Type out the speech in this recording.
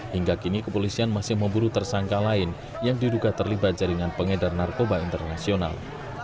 hingga kini kepolisian masih memburu tersangka lain yang diduga terlibat jaringan pengedar narkoba internasional